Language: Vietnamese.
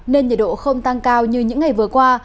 nên nhiệt độ không tăng cao như những ngày vừa qua